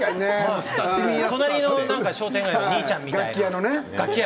隣の商店街のお兄ちゃんみたいなね。